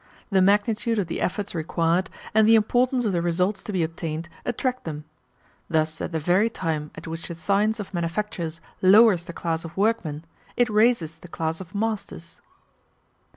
The magnitude of the efforts required, and the importance of the results to be obtained, attract them. Thus at the very time at which the science of manufactures lowers the class of workmen, it raises the class of masters.